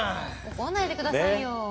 怒んないでくださいよ。